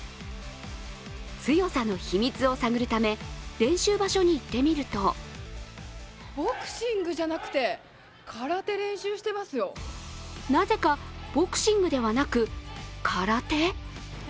強さの秘密を探るため練習場所に行ってみるとなぜかボクシングではなく空手？